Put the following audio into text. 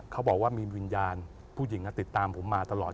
เขาบอกว่ามีวิญญาณผู้หญิงติดตามผมมาตลอด